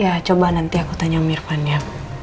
ya coba nanti aku tanya mirman ya